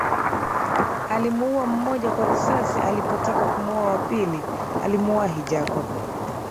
Alimuua mmoja kwa risasi alipotaka kumuua wa pili alimuwahi Jacob